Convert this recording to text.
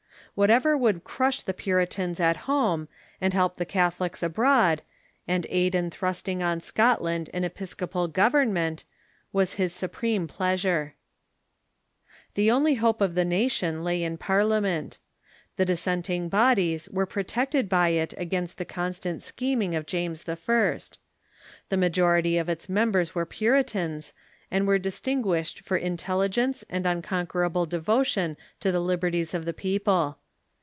Whatever would crush the Puritans at home, and help the Catholics abroad, and aid in thrusting on Scotland an episcopal government, was his supreme pleasure. The only hope of the nation lay in Parliament. The dis senting bodies were protected by it against the constant schem ing of James I. The majority of its members Parliament the y^Qj Q Puritans, and were distinguished for intel Hope of England ,'^__ ligence and an unconquerable devotion to the lib erties of the people.